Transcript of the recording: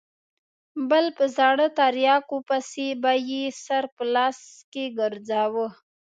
بل په زاړه تریاکو پسې به یې سر په لاس کې ګرځاوه.